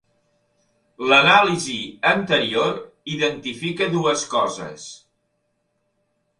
L'anàlisi anterior identifica dues coses.